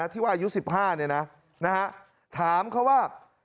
ที่ว่าอายุ๑๕ถามเขาว่า